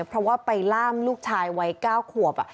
เพราะว่าไปล่ามลูกชายวัย๙ขวบ